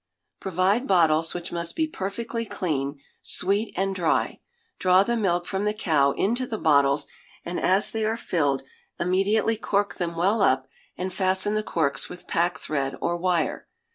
Provide bottles, which must be perfectly clean, sweet, and dry; draw the milk from the cow into the bottles, and as they are filled, immediately cork them well up, and fasten the corks with pack thread or wire.